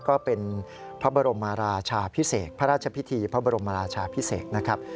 ก็เป็นพระบรมราชาพิเศษพระราชพิธีพระบรมราชาพิเศษนะครับ